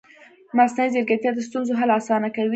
مصنوعي ځیرکتیا د ستونزو حل اسانه کوي.